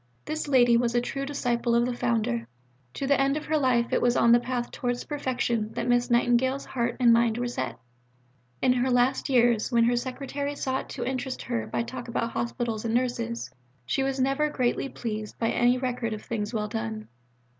'" This lady was a true disciple of the Founder. To the end of her life it was on the path towards perfection that Miss Nightingale's heart and mind were set. In her last years, when her secretary sought to interest her by talk about hospitals and nurses, she was never greatly pleased by any record of things well done.